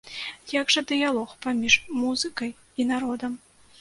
Як жа дыялог паміж музыкай і народам?